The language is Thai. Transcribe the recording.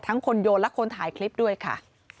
คนโยนและคนถ่ายคลิปด้วยค่ะ